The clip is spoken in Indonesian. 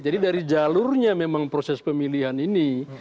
jadi dari jalurnya memang proses pemilihan ini